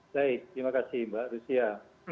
baik terima kasih mbak rusia